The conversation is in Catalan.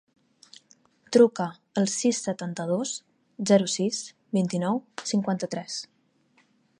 Truca al sis, setanta-dos, zero, sis, vint-i-nou, cinquanta-tres.